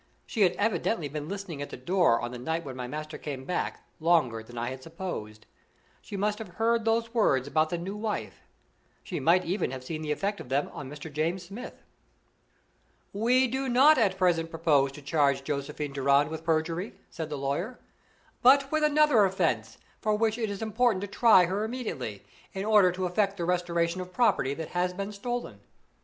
She had evidently been listening at the door on the night when my master came back longer than I had supposed. She must have heard those words about "the new wife" she might even have seen the effect of them on Mr. James Smith. "We do not at present propose to charge Josephine Durand with perjury," said the lawyer, "but with another offense, for which it is important to try her immediately, in order to effect the restoration of property that has been stolen.